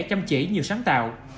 chăm chỉ như sáng tạo